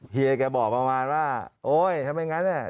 เฮียแกบอกประมาณว่าโอ๊ยทำไมงั้น